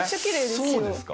そうですか？